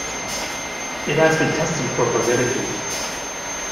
It has been tested for validity.